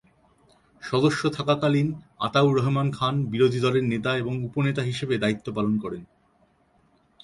সদস্য থাকাকালীন আতাউর রহমান খান বিরোধী দলের নেতা এবং উপনেতা হিসেবে দায়িত্ব পালন করেন।